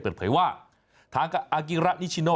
เปิดเผยว่าทางกับอากิระนิชิโน